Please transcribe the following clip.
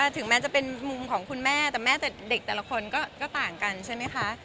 ถึงแม้จะเป็นมุมของคุณแม่แต่ว่าแม่ดักกันต่างกันใช่ไหมคะ